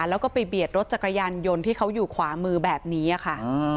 แล้วก็ไปเบียดรถจักรยานยนต์ที่เขาอยู่ขวามือแบบนี้ค่ะ